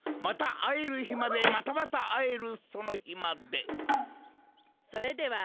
またあえるひまでまたまたあえるそのひまで。